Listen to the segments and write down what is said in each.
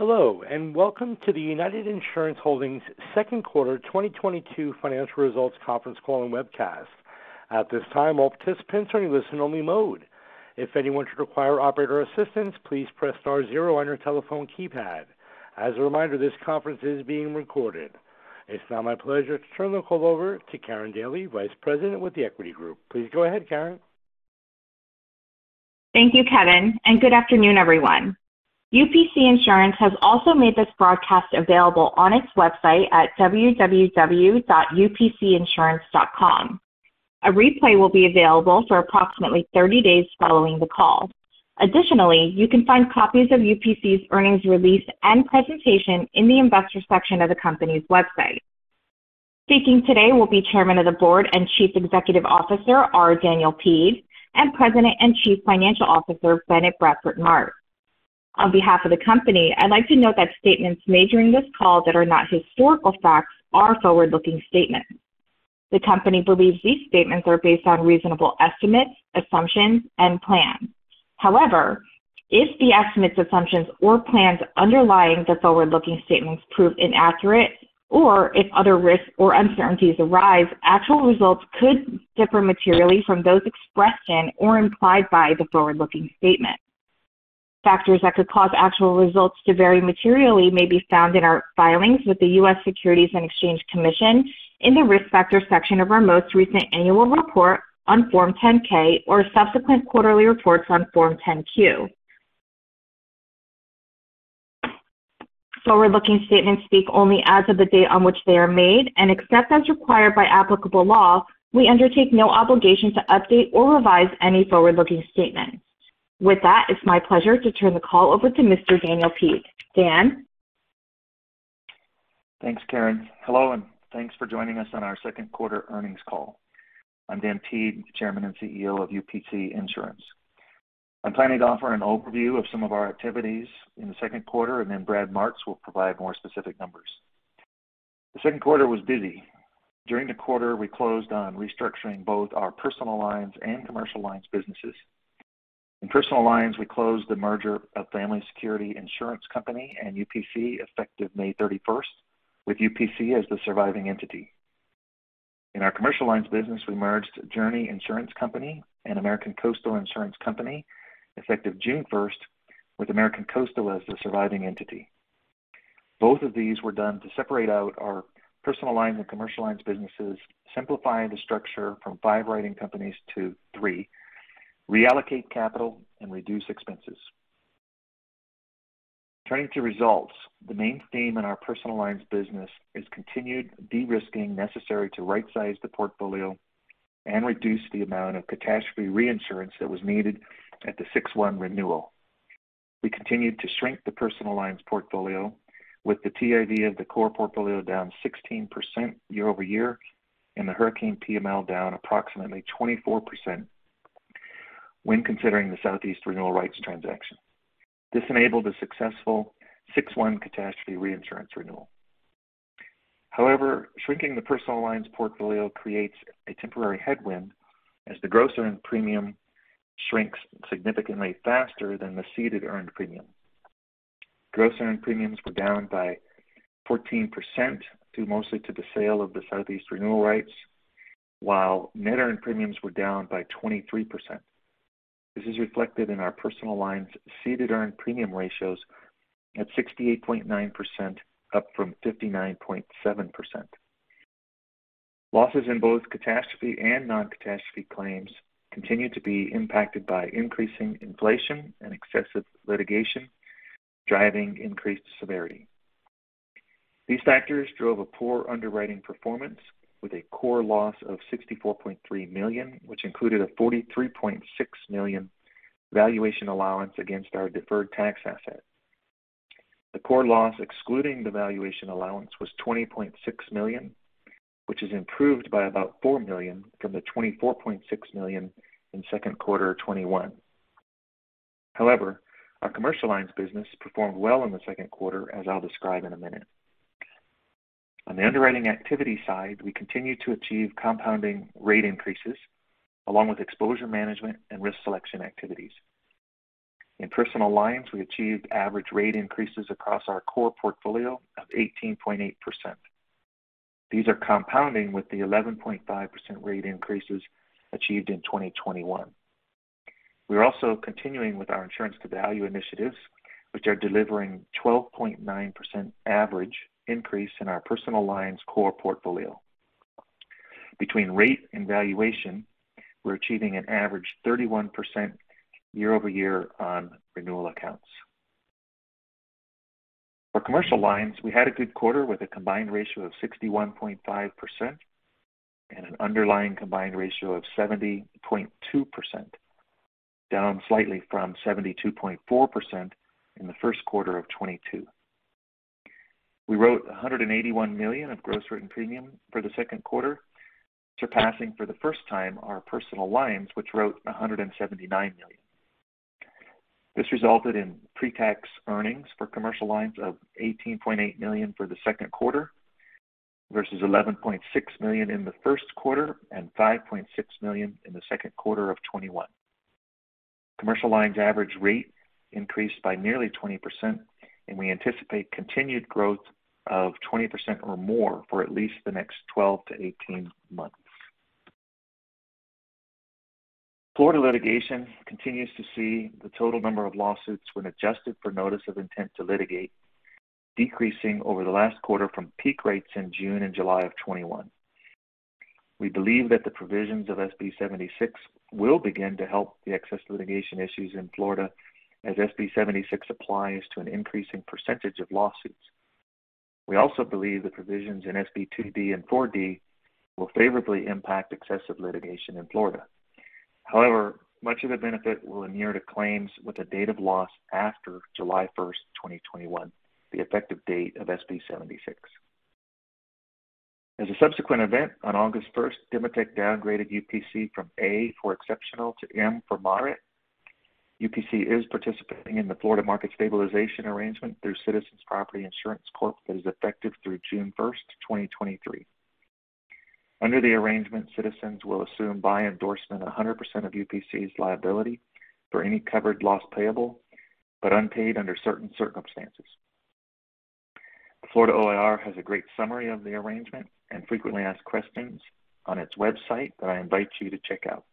Hello, and welcome to the United Insurance Holdings Second Quarter 2022 Financial Results Conference Call and webcast. At this time, all participants are in listen-only mode. If anyone should require operator assistance, please press star zero on your telephone keypad. As a reminder, this conference is being recorded. It's now my pleasure to turn the call over to Karin Daly, Vice President with The Equity Group. Please go ahead, Karin. Thank you, Kevin, and good afternoon, everyone. UPC Insurance has also made this broadcast available on its website at www.upcinsurance.com. A replay will be available for approximately 30 days following the call. Additionally, you can find copies of UPC's earnings release and presentation in the investor section of the company's website. Speaking today will be Chairman of the Board and Chief Executive Officer, R. Daniel Peed, and President and Chief Financial Officer, Bennett Bradford Martz. On behalf of the company, I'd like to note that statements made during this call that are not historical facts are forward-looking statements. The company believes these statements are based on reasonable estimates, assumptions, and plans. However, if the estimates, assumptions, or plans underlying the forward-looking statements prove inaccurate or if other risks or uncertainties arise, actual results could differ materially from those expressed in or implied by the forward-looking statement. Factors that could cause actual results to vary materially may be found in our filings with the U.S. Securities and Exchange Commission in the Risk Factors section of our most recent annual report on Form 10-K or subsequent quarterly reports on Form 10-Q. Forward-looking statements speak only as of the date on which they are made, and except as required by applicable law, we undertake no obligation to update or revise any forward-looking statement. With that, it's my pleasure to turn the call over to Mr. R. Daniel Peed. Dan? Thanks, Karin. Hello, and thanks for joining us on our second quarter earnings call. I'm R. Daniel Peed, Chairman and CEO of UPC Insurance. I'm planning to offer an overview of some of our activities in the second quarter, and then Brad Martz will provide more specific numbers. The second quarter was busy. During the quarter, we closed on restructuring both our personal lines and commercial lines businesses. In personal lines, we closed the merger of Family Security Insurance Company and UPC effective May 31, with UPC as the surviving entity. In our commercial lines business, we merged Journey Insurance Company and American Coastal Insurance Company effective June 1, with American Coastal as the surviving entity. Both of these were done to separate out our personal lines and commercial lines businesses, simplifying the structure from 5 writing companies to 3, reallocate capital and reduce expenses. Turning to results, the main theme in our personal lines business is continued de-risking necessary to right-size the portfolio and reduce the amount of catastrophe reinsurance that was needed at the six-one renewal. We continued to shrink the personal lines portfolio with the TIV of the core portfolio down 16% year-over-year and the hurricane PML down approximately 24% when considering the Southeast Renewal Rights transaction. This enabled a successful six-one catastrophe reinsurance renewal. However, shrinking the personal lines portfolio creates a temporary headwind as the gross earned premium shrinks significantly faster than the ceded earned premium. Gross earned premiums were down by 14%, due mostly to the sale of the Southeast Renewal Rights, while net earned premiums were down by 23%. This is reflected in our personal lines ceded earned premium ratios at 68.9%, up from 59.7%. Losses in both catastrophe and non-catastrophe claims continued to be impacted by increasing inflation and excessive litigation, driving increased severity. These factors drove a poor underwriting performance with a core loss of $64.3 million, which included a $43.6 million valuation allowance against our deferred tax asset. The core loss, excluding the valuation allowance, was $20.6 million, which is improved by about $4 million from the $24.6 million in second quarter of 2021. However, our commercial lines business performed well in the second quarter, as I'll describe in a minute. On the underwriting activity side, we continued to achieve compounding rate increases along with exposure management and risk selection activities. In personal lines, we achieved average rate increases across our core portfolio of 18.8%. These are compounding with the 11.5% rate increases achieved in 2021. We are also continuing with our insurance to value initiatives, which are delivering 12.9% average increase in our personal lines core portfolio. Between rate and valuation, we're achieving an average 31% year-over-year on renewal accounts. For commercial lines, we had a good quarter with a combined ratio of 61.5% and an underlying combined ratio of 70.2%, down slightly from 72.4% in the first quarter of 2022. We wrote $181 million of gross written premium for the second quarter, surpassing for the first time our personal lines, which wrote $179 million. This resulted in pre-tax earnings for commercial lines of $18.8 million for the second quarter. Versus $11.6 million in the first quarter and $5.6 million in the second quarter of 2021. Commercial lines average rate increased by nearly 20%, and we anticipate continued growth of 20% or more for at least the next 12-18 months. Florida litigation continues to see the total number of lawsuits when adjusted for notice of intent to litigate, decreasing over the last quarter from peak rates in June and July of 2021. We believe that the provisions of SB 76 will begin to help the excess litigation issues in Florida as SB 76 applies to an increasing percentage of lawsuits. We also believe the provisions in SB 2D and 4D will favorably impact excessive litigation in Florida. However, much of the benefit will inure to claims with a date of loss after July 1, 2021, the effective date of SB 76. As a subsequent event, on August 1, Demotech downgraded UPC from A for exceptional to M for Moderate. UPC is participating in the Florida Market Stabilization Arrangement through Citizens Property Insurance Corp that is effective through June 1, 2023. Under the arrangement, Citizens will assume by endorsement 100% of UPC's liability for any covered loss payable but unpaid under certain circumstances. The Florida OIR has a great summary of the arrangement and frequently asked questions on its website that I invite you to check out.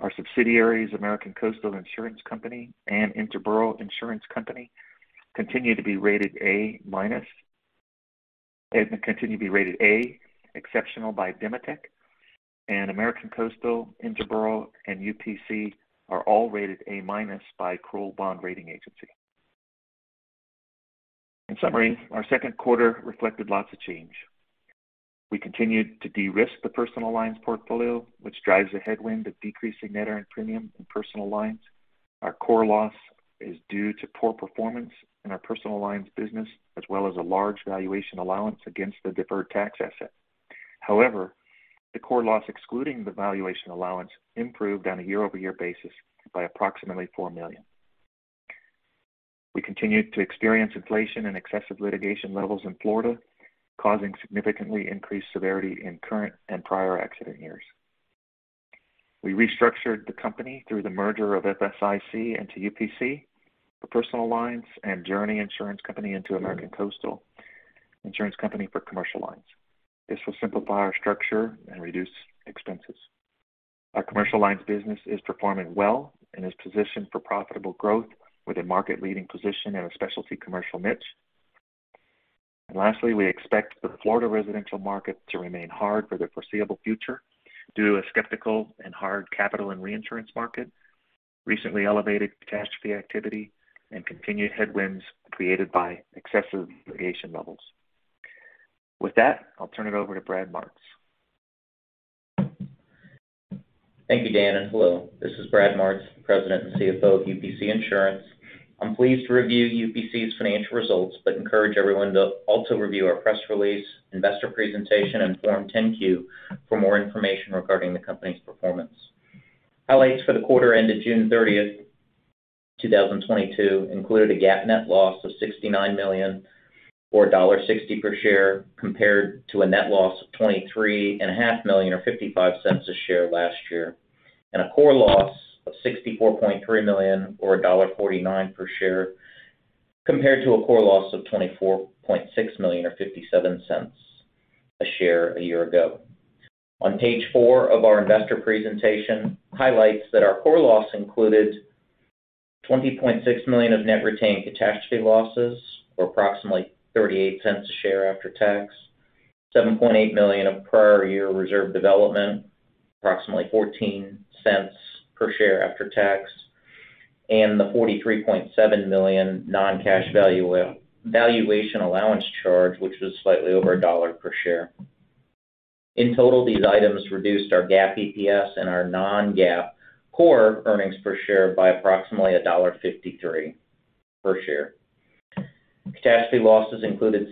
Our subsidiaries, American Coastal Insurance Company and Interboro Insurance Company, continue to be rated A-. They continue to be rated A exceptional by Demotech, and American Coastal, Interboro, and UPC are all rated A- by Kroll Bond Rating Agency. In summary, our second quarter reflected lots of change. We continued to de-risk the personal lines portfolio, which drives a headwind of decreasing net earned premium in personal lines. Our core loss is due to poor performance in our personal alliance business as well as a large valuation allowance against the deferred tax asset. However, the core loss excluding the valuation allowance improved on a year-over-year basis by approximately $4 million. We continued to experience inflation and excessive litigation levels in Florida, causing significantly increased severity in current and prior accident years. We restructured the company through the merger of FSIC into UPC for personal alliance and Journey Insurance Company into American Coastal Insurance Company for commercial alliance. This will simplify our structure and reduce expenses. Our commercial alliance business is performing well and is positioned for profitable growth with a market leading position in a specialty commercial niche. Lastly, we expect the Florida residential market to remain hard for the foreseeable future due to a skeptical and hard capital and reinsurance market, recently elevated catastrophe activity and continued headwinds created by excessive litigation levels. With that, I'll turn it over to Brad Martz. Thank you, Dan, and hello. This is Brad Martz, President and CFO of UPC Insurance. I'm pleased to review UPC's financial results, but encourage everyone to also review our press release, investor presentation, and Form 10-Q for more information regarding the company's performance. Highlights for the quarter ended June 30, 2022 included a GAAP net loss of $69 million or $1.60 per share, compared to a net loss of $23.5 million or $0.55 per share last year, and a core loss of $64.3 million or $1.49 per share, compared to a core loss of $24.6 million or $0.57 per share a year ago. On page four of our investor presentation highlights that our core loss included $20.6 million of net retained catastrophe losses, or approximately $0.38 per share after tax, $7.8 million of prior year reserve development, approximately $0.14 per share after tax, and the $43.7 million non-cash valuation allowance charge, which was slightly over $1 per share. In total, these items reduced our GAAP EPS and our non-GAAP core earnings per share by approximately $1.53 per share. Catastrophe losses included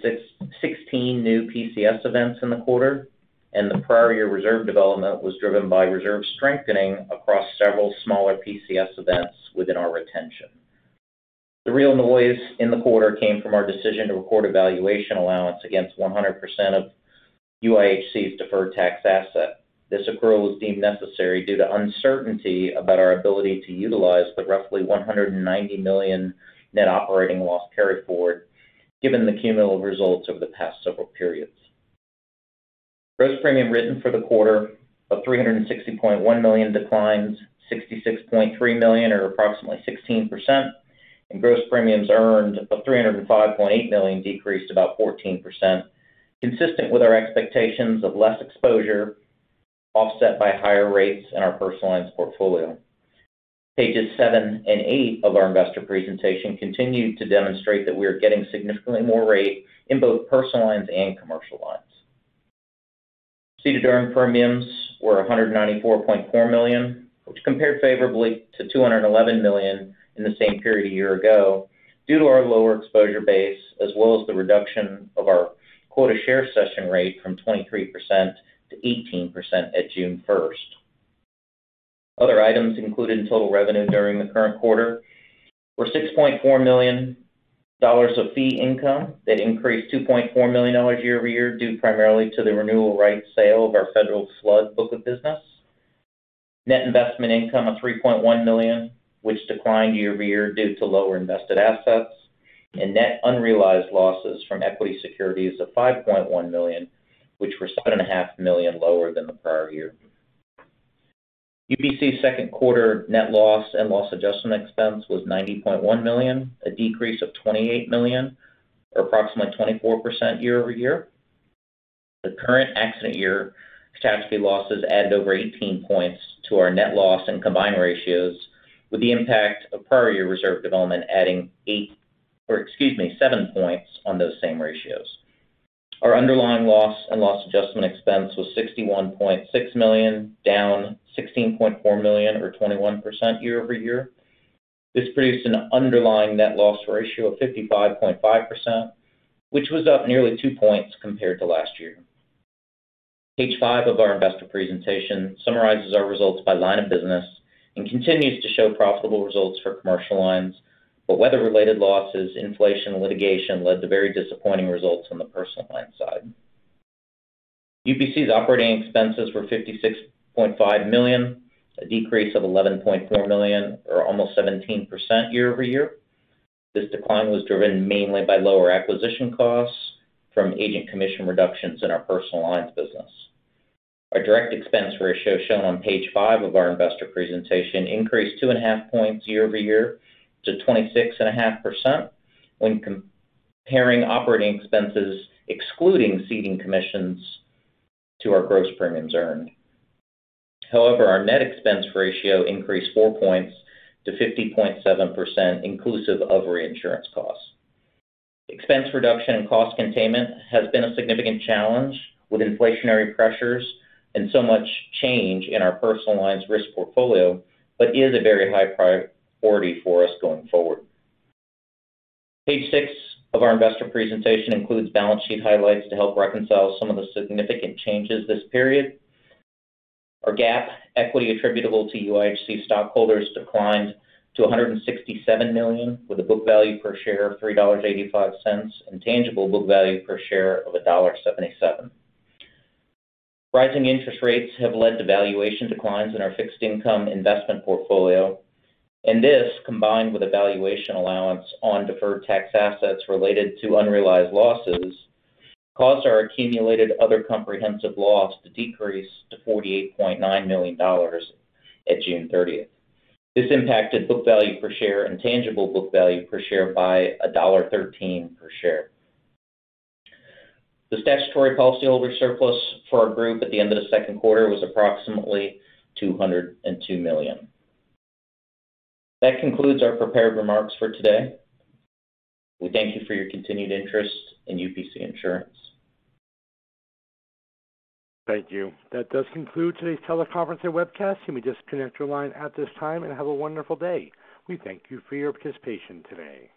16 new PCS events in the quarter, and the prior year reserve development was driven by reserve strengthening across several smaller PCS events within our retention. The real noise in the quarter came from our decision to record a valuation allowance against 100% of UIHC's deferred tax asset. This accrual was deemed necessary due to uncertainty about our ability to utilize the roughly $190 million net operating loss carryforward given the cumulative results over the past several periods. Gross premium written for the quarter of $360.1 million declines $66.3 million or approximately 16%, and gross premiums earned of $305.8 million decreased about 14%, consistent with our expectations of less exposure offset by higher rates in our personal lines portfolio. Pages 7 and 8 of our investor presentation continue to demonstrate that we are getting significantly more rate in both personal lines and commercial lines. Ceded earned premiums were $194.4 million, which compared favorably to $211 million in the same period a year ago due to our lower exposure base as well as the reduction of our quota share cession rate from 23% to 18% at June first. Other items included in total revenue during the current quarter were $6.4 million of fee income that increased $2.4 million year-over-year, due primarily to the renewal rights sale of our federal flood book of business. Net investment income of $3.1 million, which declined year-over-year due to lower invested assets, and net unrealized losses from equity securities of $5.1 million, which were $7.5 million lower than the prior year. UPC's second quarter net loss and loss adjustment expense was $90.1 million, a decrease of $28 million or approximately 24% year-over-year. The current accident year catastrophe losses added over 18 points to our net loss and combined ratios, with the impact of prior year reserve development adding 7 points on those same ratios. Our underlying loss and loss adjustment expense was $61.6 million, down $16.4 million or 21% year-over-year. This produced an underlying net loss ratio of 55.5%, which was up nearly 2 points compared to last year. Page 5 of our investor presentation summarizes our results by line of business and continues to show profitable results for commercial lines. Weather-related losses, inflation, and litigation led to very disappointing results on the personal line side. UPC's operating expenses were $56.5 million, a decrease of $11.4 million or almost 17% year-over-year. This decline was driven mainly by lower acquisition costs from agent commission reductions in our personal lines business. Our direct expense ratio shown on page 5 of our investor presentation increased 2.5 points year-over-year to 26.5% when comparing operating expenses, excluding ceding commissions to our gross premiums earned. However, our net expense ratio increased 4 points to 50.7% inclusive of reinsurance costs. Expense reduction and cost containment has been a significant challenge with inflationary pressures and so much change in our personal lines risk portfolio, but is a very high priority for us going forward. Page 6 of our investor presentation includes balance sheet highlights to help reconcile some of the significant changes this period. Our GAAP equity attributable to UIHC stockholders declined to $167 million, with a book value per share of $3.85 and tangible book value per share of $1.77. Rising interest rates have led to valuation declines in our fixed income investment portfolio, and this, combined with a valuation allowance on deferred tax assets related to unrealized losses, caused our accumulated other comprehensive loss to decrease to $48.9 million at June 30. This impacted book value per share and tangible book value per share by $1.13 per share. The statutory policyholder surplus for our group at the end of the second quarter was approximately $202 million. That concludes our prepared remarks for today. We thank you for your continued interest in UPC Insurance. Thank you. That does conclude today's teleconference and webcast. You may disconnect your line at this time and have a wonderful day. We thank you for your participation today.